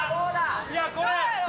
いや、これ。